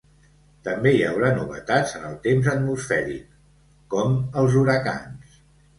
També hi haurà novetats en el temps atmosfèric, com els huracans.